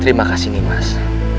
terima kasih nimas